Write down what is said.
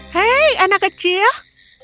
hei anak kecil